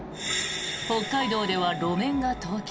北海道では路面が凍結。